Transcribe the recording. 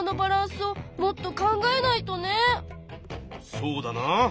そうだなあ。